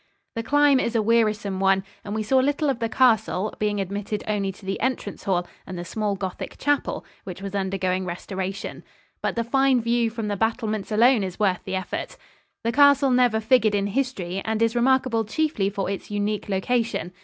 The climb is a wearisome one, and we saw little of the castle, being admitted only to the entrance hall and the small Gothic chapel, which was undergoing restoration; but the fine view from the battlements alone is worth the effort. The castle never figured in history and is remarkable chiefly for its unique location.